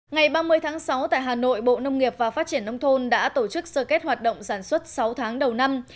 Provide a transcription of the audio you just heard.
ngày ba mươi tháng sáu tại hà nội bộ nông nghiệp và phát triển nông thôn đã tổ chức sơ kết hoạt động sản xuất sáu tháng đầu năm